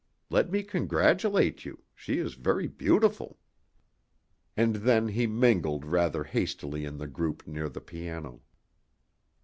Let me congratulate you. She is very beautiful." And then he mingled rather hastily in the group near the piano.